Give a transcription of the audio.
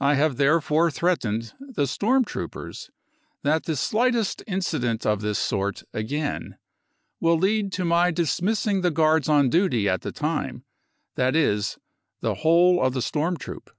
I have therefore threatened the storm troopers that the slightest incident of this sort j again will lead to my dismissing the guards on duty at the time, that is, the whole of the storm troop.